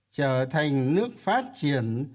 trở thành nước phát triển